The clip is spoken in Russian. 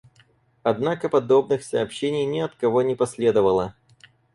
Однако подобных сообщений ни от кого не последовало.